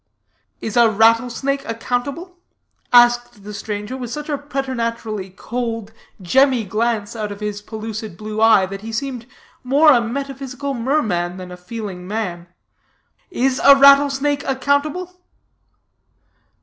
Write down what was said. "Is a rattle snake accountable?" asked the stranger with such a preternaturally cold, gemmy glance out of his pellucid blue eye, that he seemed more a metaphysical merman than a feeling man; "is a rattle snake accountable?"